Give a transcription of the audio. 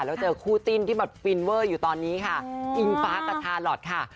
แล้วเจอคู่จิ้นที่แบบฟินเวอร์อยู่ตอนนี้ค่ะอิงฟ้ากับทาลอทค่ะ